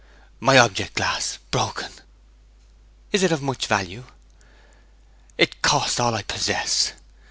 'My object glass broken!' 'Is it of much value?' 'It cost all I possess!'